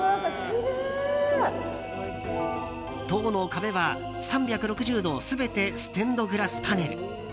塔の壁は３６０度全てステンドグラスパネル。